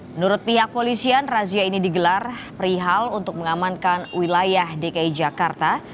menurut pihak polisian razia ini digelar perihal untuk mengamankan wilayah dki jakarta